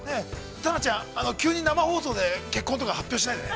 ◆タナちゃん生放送で結婚とか発表しないでね。